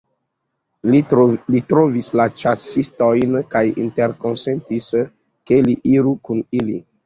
Li trovis la ĉasistojn kaj interkonsentis ke li iru kun ili.